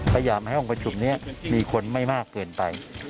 พยายามให้ห้องประชุมนี้มีคนไม่มากเกินไป